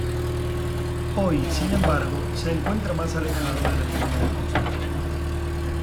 Hoy sin embargo se encuentra más alejado de la línea de costa.